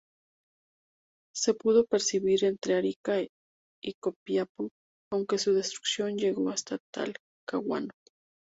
Se pudo percibir entre Arica y Copiapó, aunque su destrucción llegó hasta Talcahuano.